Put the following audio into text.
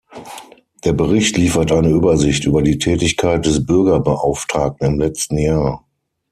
Der Bericht liefert eine Übersicht über die Tätigkeit des Bürgerbeauftragten im letzten Jahr.